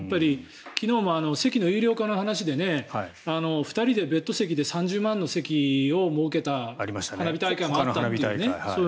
昨日も、席の有料化の話で２人でベッド席で３０万円の席を設けた花火大会もあったという。